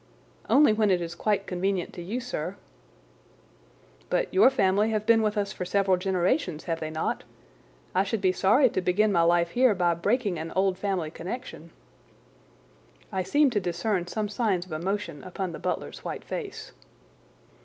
"Only when it is quite convenient to you, sir." "But your family have been with us for several generations, have they not? I should be sorry to begin my life here by breaking an old family connection." I seemed to discern some signs of emotion upon the butler's white face.